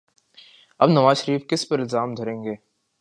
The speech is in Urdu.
اب نواز شریف کس پہ الزام دھریں گے؟